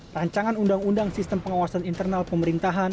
rancangan undang undang sistem pengawasan internal pemerintahan